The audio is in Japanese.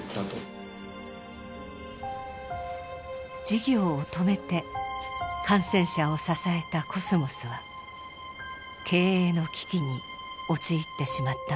事業を止めて感染者を支えたコスモスは経営の危機に陥ってしまったのです。